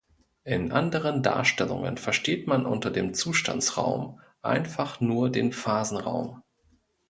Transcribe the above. In anderen Darstellungen versteht man unter dem Zustandsraum einfach nur den Phasenraum.